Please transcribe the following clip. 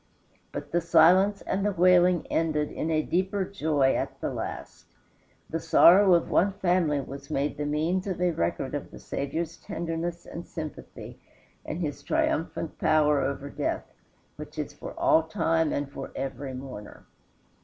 But the silence and the wailing ended in a deeper joy at the last. The sorrow of one family was made the means of a record of the Saviour's tenderness and sympathy and his triumphant power over death, which is for all time and for every mourner.